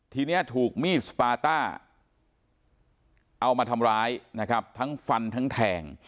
ทีนี้ถูกมีดสปาต้าเอามาทำร้ายนะครับทั้งฟันทั้งแทง